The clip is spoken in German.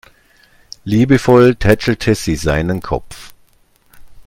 Liebevoll tätschelte sie seinen Kopf.